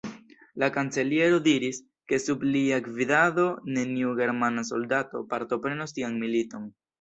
La kanceliero diris, ke sub lia gvidado neniu germana soldato partoprenos tian militon.